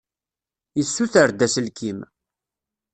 Yessuter-d aselkim.